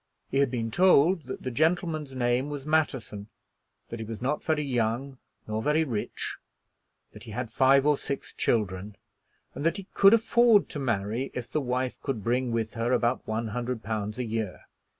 He had been told that the gentleman's name was Matterson, that he was not very young nor very rich, that he had five or six children, and that he could afford to marry if the wife could bring with her about one hundred pounds a year.